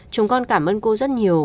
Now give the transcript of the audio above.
chúng con cảm ơn cô rất nhiều